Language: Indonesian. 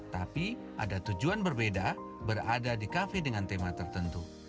tapi ada tujuan berbeda berada di kafe dengan tema tertentu